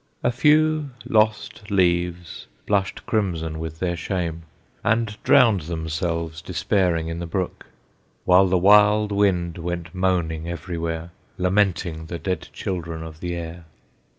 A few lost leaves blushed crimson with their shame, And drowned themselves despairing in the brook, While the wild wind went moaning everywhere, Lamenting the dead children of the air!